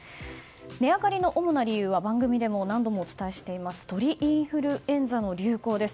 値上がりの主な理由は番組でも何度もお伝えしている鳥インフルエンザの流行です。